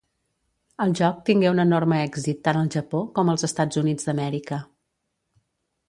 El joc tingué un enorme èxit tant al Japó com als Estats Units d'Amèrica.